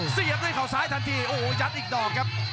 เสียบด้วยเขาซ้ายทันทีโอ้โหยัดอีกดอกครับ